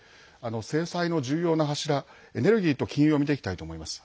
制裁の重要な柱エネルギーと金融を見ていきたいと思います。